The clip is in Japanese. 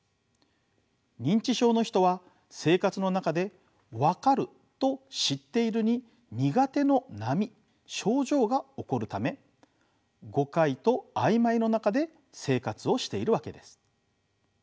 認知症の人は生活の中でわかると知っているに苦手の波症状が起こるため誤解と曖昧の中で生活をしているわけです。